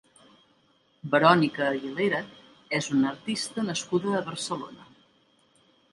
Verònica Aguilera és una artista nascuda a Barcelona.